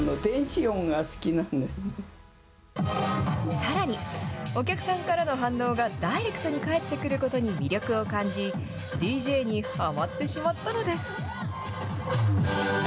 さらに、お客さんからの反応がダイレクトに返ってくることに魅力を感じ、ＤＪにはまってしまったのです。